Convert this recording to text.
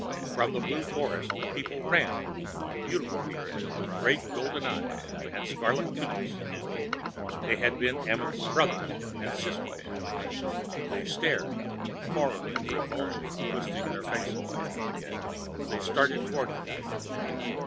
From the blue forest, people ran. Beautiful people, with great golden eyes and scarlet tunics. They could have been Amenth's brothers and sisters. They stared, horror and revulsion twisting their faces. They started toward him.